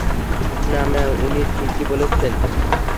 না, ম্যাম, উনি ঠিকই বলেছেন!